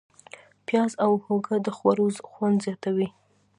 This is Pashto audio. پیاز او هوږه د خوړو خوند زیاتوي.